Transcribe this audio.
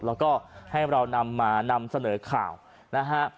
แล้วก็ให้เรานำมานำเสนอข่าวนะฮะ